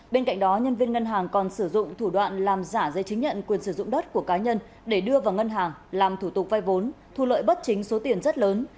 bên cạnh đó nhân viên ngân hàng còn sử dụng thủ đoạn làm giả giấy chứng nhận quyền sử dụng đất của cá nhân để đưa vào ngân hàng làm thủ tục vay vốn thu lợi bất chính số tiền rất lớn